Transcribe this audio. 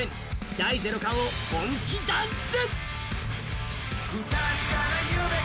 「第ゼロ感」を本気ダンス！